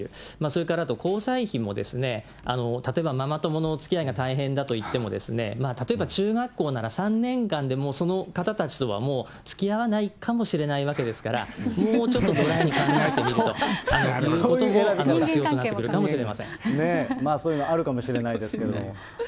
それからあと、交際費も例えばママ友のおつきあいが大変だといっても、例えば中学校なら３年間でもうその方たちとはもうつきあわないかもしれないわけですから、もうちょっとドライに考えてみるということもそういうの、あるかもしれないですけれども。